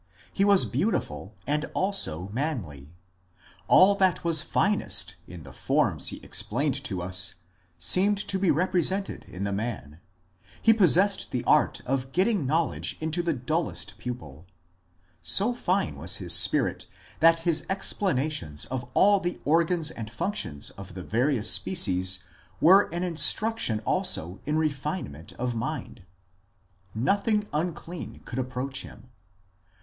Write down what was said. He was beautiful and also manly ; all that was finest in the forms he explained to us seemed to be represented in the man. He possessed the art of getting knowledge into the dullest pupil. So fine was his spirit that his explanations of all the organs and functions of the various species were an instruction also in refinement of mind. Nothing unclean could approach him.